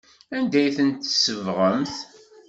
Anda ay ten-tsebɣemt?